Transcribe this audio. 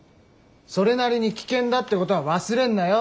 それなりに危険だってことは忘れんなよ。